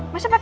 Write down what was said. ya itu bagus